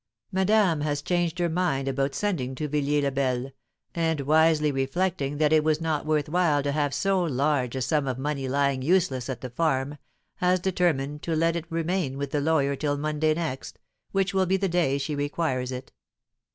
Madame has changed her mind about sending to Villiers del Bel, and, wisely reflecting that it was not worth while to have so large a sum of money lying useless at the farm, has determined to let it remain with the lawyer till Monday next, which will be the day she requires it."